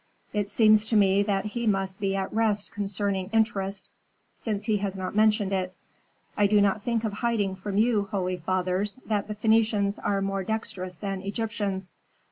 It seems to me that he must be at rest concerning interest, since he has not mentioned it. I do not think of hiding from you, holy fathers, that the Phœnicians are more dextrous than Egyptians.